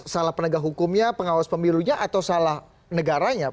salah penegak hukumnya pengawas pemilunya atau salah penegak hukumnya